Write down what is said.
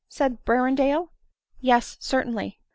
said Ber rendale. "Yes, certainly."